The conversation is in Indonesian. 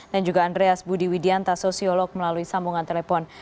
dan juga andreas budi widianta sosiolog melalui sambungan telepon